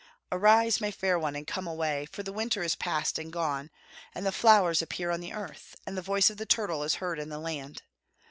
"Arise, my fair one, and come away! for the winter is past and gone, and the flowers appear upon the earth, and the voice of the turtle is heard in the land.